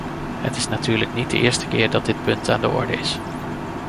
Het is natuurlijk niet de eerste keer dat dit punt aan de orde is.